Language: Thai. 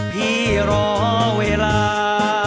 พี่รอเวลา